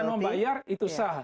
dan membayar itu sah